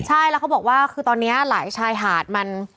ใช่แล้วเขาบอกว่าคือตอนนี้หลายชายหาดมัน